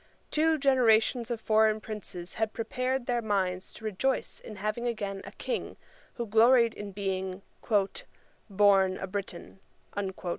Two generations of foreign princes had prepared their minds to rejoice in having again a King, who gloried in being 'born a Briton.'